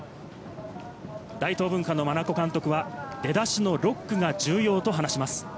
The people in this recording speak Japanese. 大東文化の真名子監督は出だしの６区が重要と話します。